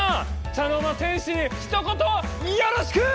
茶の間戦士にひと言よろしく！